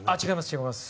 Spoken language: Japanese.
違います。